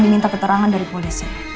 diminta keterangan dari polisi